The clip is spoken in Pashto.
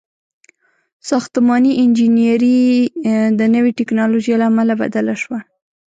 • ساختماني انجینري د نوې ټیکنالوژۍ له امله بدله شوه.